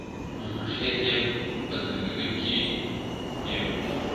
ماما خېل یې په ځنګله کي یابوګان وه،